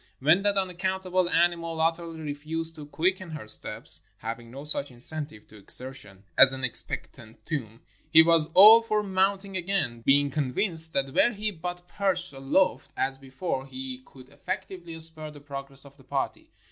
When that unaccountable animal utterly refused to quicken her steps — having no such incentive to exer tion as an expectant tomb — he was all for mounting again, being convinced that were he but perched aloft 349 NORTHERN AFRICA as before, he could effectively spur the progress of the party.